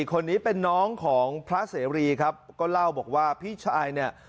คนนี้เป็นน้องของพระเสรีครับก็เล่าบอกว่าพี่ชายเนี่ย